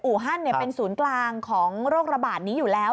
ฮันเป็นศูนย์กลางของโรคระบาดนี้อยู่แล้ว